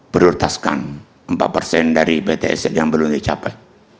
berlutaskan empat dari ptsl yang belum tercapai